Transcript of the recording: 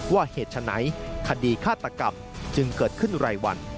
เหตุฉะไหนคดีฆาตกรรมจึงเกิดขึ้นรายวัน